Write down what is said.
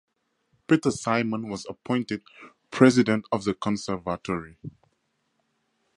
Peter Simon was appointed President of The Conservatory.